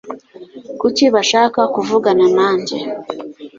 kuki bashaka kuvugana nanjye